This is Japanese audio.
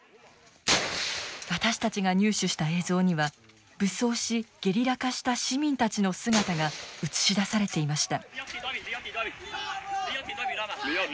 私たちが入手した映像には武装しゲリラ化した市民たちの姿が映し出されていました。